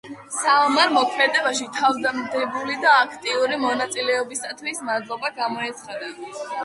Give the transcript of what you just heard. საომარ მოქმედებაში თავდადებული და აქტიური მონაწილეობისათვის მადლობა გამოეცხადა.